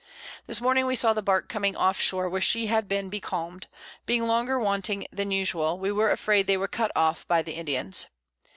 This Morning we saw the Bark coming off Shore, where she had been becalm'd; being longer wanting than usual, we were afraid they were cut off by the Indians.